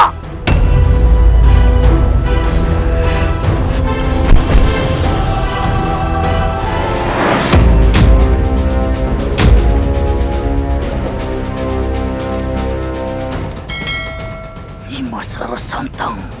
ini adalah mas rara santang